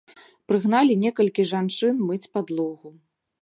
Прыгналі некалькі жанчын мыць падлогу.